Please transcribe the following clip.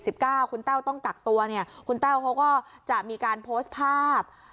คุณแต้วต้องกักตัวเนี่ยคุณแต้วเขาก็จะมีการโพสต์ภาพ